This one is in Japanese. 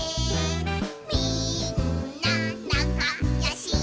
「みんななかよしだな」